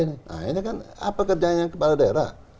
nah ini kan apa kerjanya kepala daerah